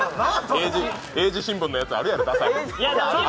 英字新聞のやつあるやろ。